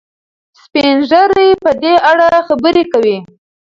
سپین ږیري په دې اړه خبرې کوي.